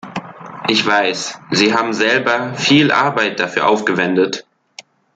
Ich weiß, Sie haben selber viel Arbeit dafür aufgewendet.